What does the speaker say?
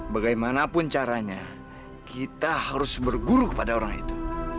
bagaimanapun caranya kita harus berguru kepada orang itu